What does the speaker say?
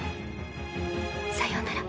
さようなら。